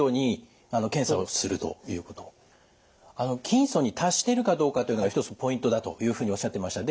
筋層に達しているかどうかというのが一つのポイントだというふうにおっしゃってました。